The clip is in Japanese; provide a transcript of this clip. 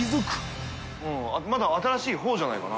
まだ新しいほうじゃないかな？